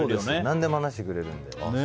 何でも話してくれるんで。